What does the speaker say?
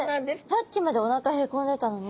さっきまでおなかへこんでたのに。